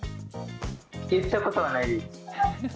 言っちゃうことはない。